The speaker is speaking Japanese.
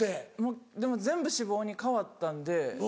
でも全部脂肪に変わったんで。